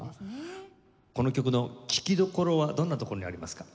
この曲の聴きどころはどんなところにありますか？